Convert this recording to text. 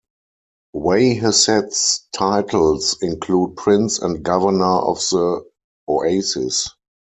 Wayheset's titles include Prince and Governor of the Oasis.